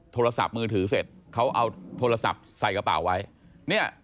โทรศัพท์มือถือเสร็จเขาเอาโทรศัพท์ใส่กระเป๋าไว้เนี่ย